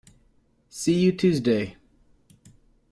See you Tuesday!